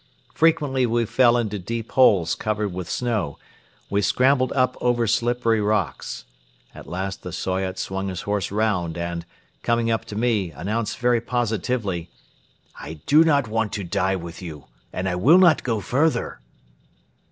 Frequently we fell into deep holes covered with snow; we scrambled up over slippery rocks. At last the Soyot swung his horse round and, coming up to me, announced very positively: "I do not want to die with you and I will not go further."